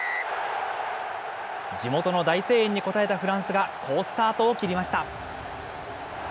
地元の大声援に応えたフランスが好スタートを切りました。